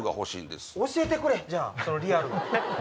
教えてくれじゃあそのリアルを。